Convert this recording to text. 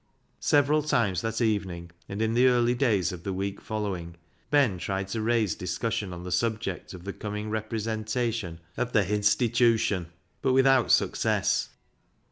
Several times that evening, and in the early days of the week following, Ben tried to raise discussion on the subject of the coming repre sentative of the " Hinstitewshon," but without success.